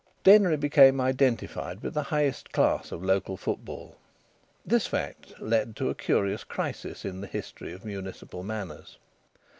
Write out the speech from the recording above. Denry became identified with the highest class of local football. This fact led to a curious crisis in the history of municipal manners.